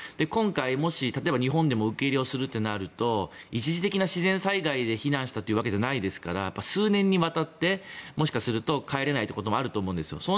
今回、もし例えば日本でも受け入れをするってなると一時的な自然災害で避難したというわけじゃないですから数年にわたってもしかすると帰れないということもあると思うんですよ。